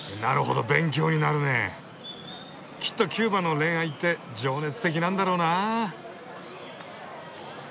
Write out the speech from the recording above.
きっとキューバの恋愛って情熱的なんだろうなぁ！